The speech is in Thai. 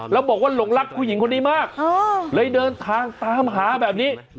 แล้วบอกว่าหลงรักผู้หญิงคนนี้มากเลยเดินทางตามหาแบบนี้